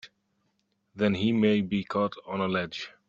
Then he may be caught on a ledge!